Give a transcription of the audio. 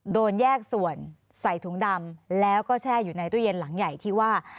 โดนแยกส่วนใส่ถุงดำแล้วก็แช่อยู่ในตู้เย็นหลังใหญ่ที่ว่า